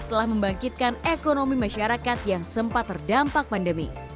telah membangkitkan ekonomi masyarakat yang sempat terdampak pandemi